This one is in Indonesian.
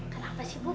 terus kenapa sih ibu